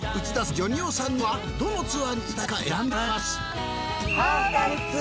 ジョニ男さんにはどのツアーに行きたいか選んでもらいます。